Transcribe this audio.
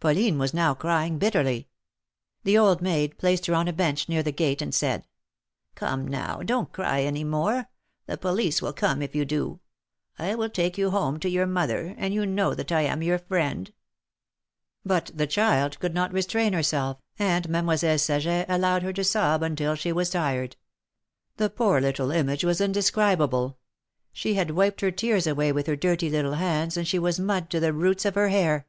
Pauline was now crying bitterly. The old maid placed her on a bench near the gate, and said : Come, now, don't cry any more ; the police will come if you do. I will take you home to your mother, and you know that I am your friend." But the child could not restrain herself, and Madcmoi THE MARKETS OF PARIS. 235 selle Saget allowed her to sob until she was tired. The poor little image was indescribable. She had wiped her tears away with her dirty little hands, and she was mud to the roots of her hair.